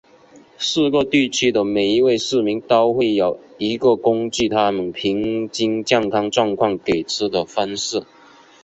四个地区的每一位市民都会有一个根据他们平均健康状况给出的分数。